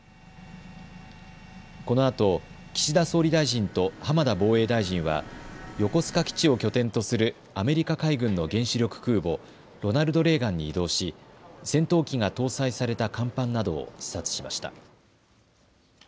このあと岸田総理大臣と浜田防衛大臣は横須賀基地を拠点とするアメリカ海軍の原子力空母、ロナルド・レーガンに移動し戦闘機が搭載された甲板などを視察しました。